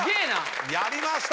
やりました！